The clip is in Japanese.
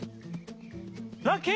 ラッキー！